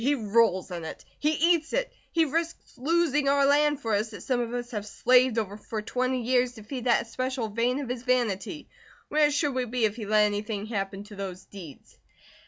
He rolls in it! He eats it! He risks losing our land for us that some of us have slaved over for twenty years, to feed that especial vein of his vanity. Where should we be if he let anything happen to those deeds?"